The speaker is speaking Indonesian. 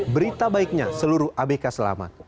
berita baiknya seluruh abk selamat